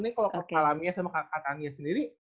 ini kalau kekalaminya sama kak tani sendiri